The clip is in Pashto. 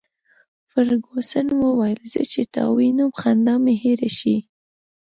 فرګوسن وویل: زه چي تا ووینم، خندا مي هېره شي.